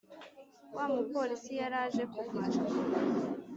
wamupolice yaraje kumara.